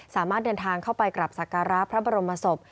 สามารถเดินทางเข้าไปกลับสักการะพระบรมศพ